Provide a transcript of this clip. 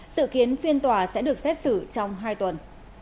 sự kiến phiên tòa sẽ được xét xử trong hai tuần